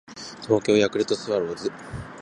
東京ヤクルトスワローズ